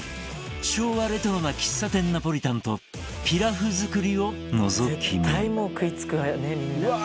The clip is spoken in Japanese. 昭和レトロな喫茶店のナポリタンとピラフ作りをのぞき見。